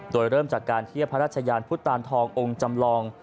โดยเริ่มจากการเทียบพระราชยานพุทธตานทององค์จำลอง